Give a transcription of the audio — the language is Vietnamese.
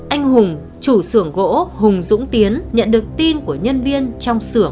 anh hùng chủ xưởng gỗ hùng dũng tiến nhận được tin của nhân viên trong xưởng